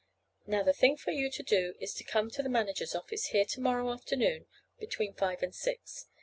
Now the thing for you to do is to come to the manager's office here to morrow afternoon, between five and six.